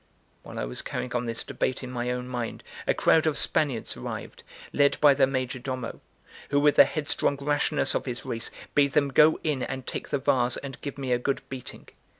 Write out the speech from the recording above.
While I was carrying on this debate in my own mind, a crowd of Spaniards arrived, led by their major domo, who, with the headstrong rashness of his race, bade them go in and take the vase and give me a good beating.